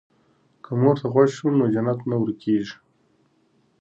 که مور ته غوږ شو نو جنت نه ورکيږي.